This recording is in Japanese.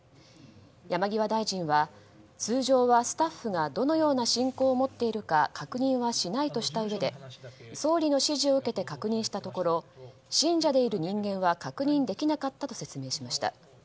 山際大臣は、通常はスタッフがどのような信仰を持っているか確認はしないとしたうえで総理の指示を受けて確認したところ信者でいる人間は確認できなかったと説明しました。